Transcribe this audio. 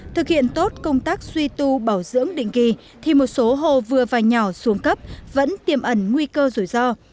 thực hiện tốt công tác suy tu bảo dưỡng định kỳ thì một số hồ vừa và nhỏ xuống cấp vẫn tiềm ẩn nguy cơ rủi ro